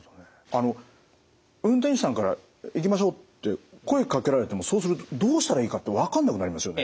あの運転手さんから「行きましょう」って声かけられてもそうするとどうしたらいいかってわかんなくなりますよね。